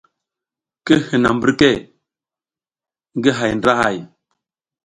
Ki hinam mbirke ngi hay ndra hay.